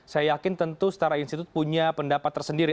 saya yakin tentu setara institut punya pendapat tersendiri